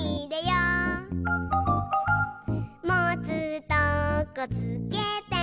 「もつとこつけて」